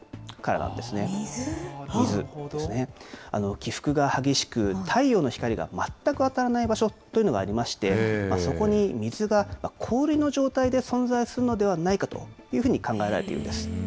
起伏が激しく、太陽の光が全く当たらない場所というのがありまして、そこに水が氷の状態で存在するのではないかというふうに考えられているんです。